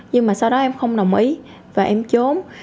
nhưng mà sau đó em không đồng ý và em trốn